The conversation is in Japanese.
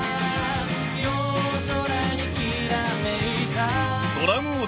夜空にキラめいた